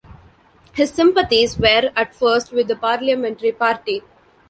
His sympathies were at first with the parliamentary party.